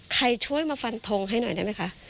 ช่วยมาฟันทงให้หน่อยได้ไหมคะ